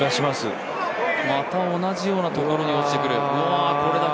また同じようなところに落ちてくる。